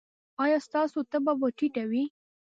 ایا ستاسو تبه به ټیټه وي؟